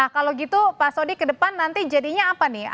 nah kalau gitu pak soni ke depan nanti jadinya apa nih